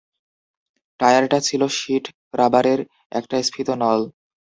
টায়ারটা ছিল শিট রাবারের একটা স্ফীত নল।